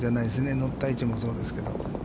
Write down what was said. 乗った位置もそうですけど。